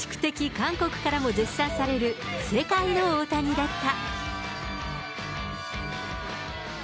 韓国からも絶賛される世界の大谷だった。